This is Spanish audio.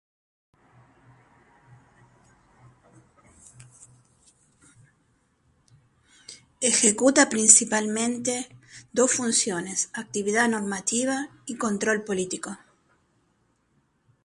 Ejecuta principalmente dos funciones: actividad normativa y control político.